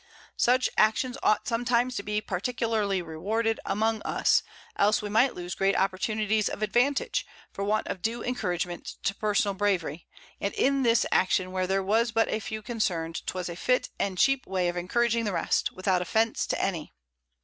Such Actions ought sometimes to be particularly rewarded among us, else we may lose great Opportunities of Advantage, for want of due Encouragement to personal Bravery, and in this Action where there was but a few concerned, 'twas a fit and cheap way of encouraging the rest, without Offence to any.